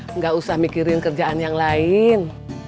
tidak usah mikirin kerjaan yang lain